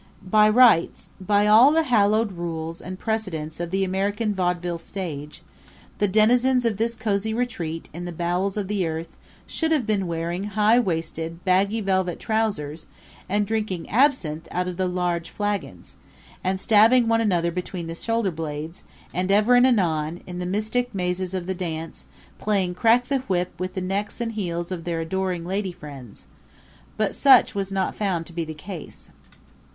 By rights by all the hallowed rules and precedents of the American vaudeville stage! the denizens of this cozy retreat in the bowels of the earth should have been wearing high waisted baggy velvet trousers and drinking absinthe out of large flagons, and stabbing one another between the shoulder blades, and ever and anon, in the mystic mazes of the dance, playing crack the whip with the necks and heels of their adoring lady friends; but such was not found to be the case.